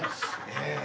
ええ。